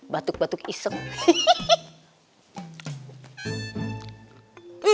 batuk batuk iseng hehehe